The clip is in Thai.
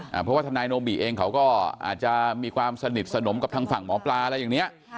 เพราะว่าทนายโนบิเองเขาก็อาจจะมีความสนิทสนมกับทางฝั่งหมอปลาอะไรอย่างนี้